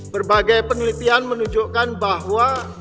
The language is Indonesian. berbagai penelitian menunjukkan bahwa